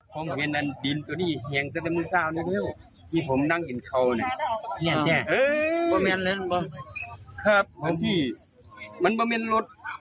ครับเหมือนที่มันเป็นรถ